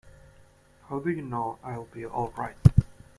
How do you know I'll be all right?